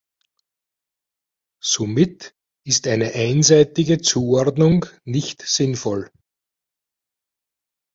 Somit ist eine einseitige Zuordnung nicht sinnvoll.